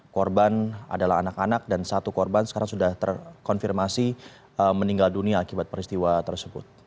korban adalah anak anak dan satu korban sekarang sudah terkonfirmasi meninggal dunia akibat peristiwa tersebut